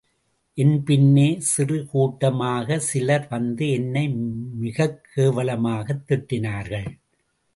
என் பின்னே சிறு கூட்டமாகச் சிலர் வந்து என்னை மிகக் கேவலமாகத் திட்டினார்கள்.